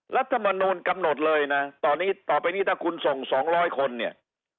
รัฐมนต์กำหนดเลยนะต่อไปนี้ถ้าคุณส่งสองร้อยคนเนี่ย